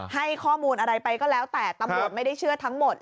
ให้ข้อมูลอะไรไปก็แล้วแต่ตำรวจไม่ได้เชื่อทั้งหมด